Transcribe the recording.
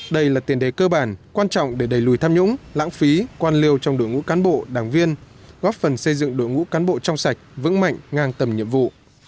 đây là tiền đề cơ bản quan trọng để đẩy lùi tham nhũng lãng phí quan liêu trong đội ngũ cán bộ đảng viên góp phần xây dựng đội ngũ cán bộ trong sạch vững mạnh ngang tầm nhiệm vụ